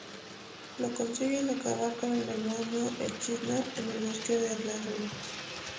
Lo consigue al acabar con el demonio Echidna en el Bosque de las Ruinas.